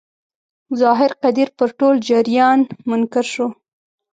ظاهر قدیر پر ټول جریان منکر شو.